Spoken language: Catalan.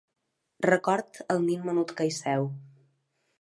Recordo el nen menut que hi seu.